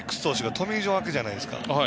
トミー・ジョン明けじゃないですか。